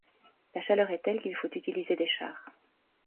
La chaleur est telle qu'il faut utiliser des chars.